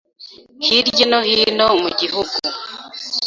hirye no hino mu gihugu